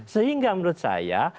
sehingga menurut saya